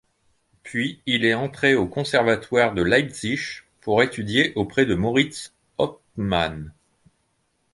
Puis il est entré au Conservatoire de Leipzig pour étudier auprès de Moritz Hauptmann.